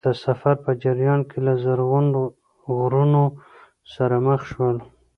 د سفر په جریان کې له زرغون غرونو سره مخ شول.